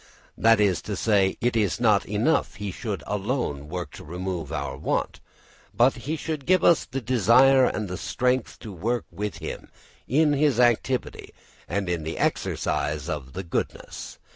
That is to say, it is not enough he should alone work to remove our want, but he should give us the desire and the strength to work with him in his activity and in the exercise of the goodness.